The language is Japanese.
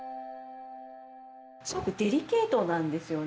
すごくデリケートなんですよね